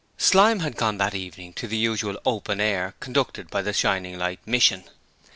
Slyme had gone that evening to the usual 'open air' conducted by the Shining Light Mission.